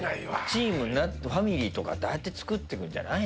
チームファミリーとかってああやってつくってくんじゃないの？